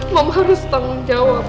mama harus tanggung jawab